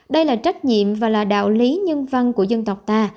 đây là trách nhiệm và là đạo lý nhân văn của dân tộc ta